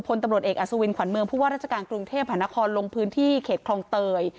พลตำรวจเอกอัศวินขวัญเมืองผู้ว่าราชการกรุงเทพหานครลงพื้นที่เขตคลองเตย